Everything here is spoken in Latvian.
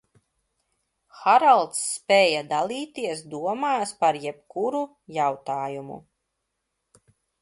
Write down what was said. Haralds spēja dalīties domās par jebkuru jautājumu.